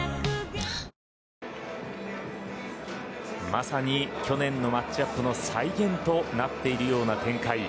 まさに去年のマッチアップの再現となっているような展開。